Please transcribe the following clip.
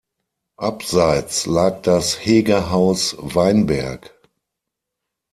Abseits lag das Hegerhaus Weinberg.